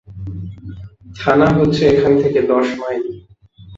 থানা হচ্ছে এখান থেকে দশ মাইল।